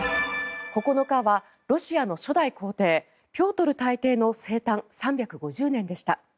９日はロシアの初代皇帝ピョートル大帝の生誕３５０年でした。